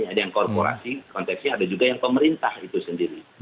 ada yang korporasi konteksnya ada juga yang pemerintah itu sendiri